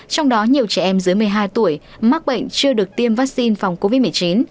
trong đó nhiều trẻ em dưới một mươi hai tuổi mắc bệnh chưa được tiêm vaccine phòng covid một mươi chín